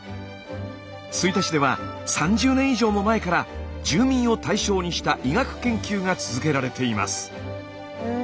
吹田市では３０年以上も前から住民を対象にした医学研究が続けられています。